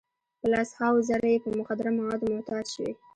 په لس هاوو زره یې په مخدره موادو معتاد شوي.